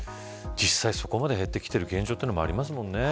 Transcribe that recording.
実際そこまで減ってきている現状もありますもんね。